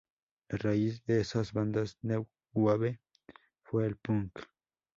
La raíz de esas bandas New wave fue el punk.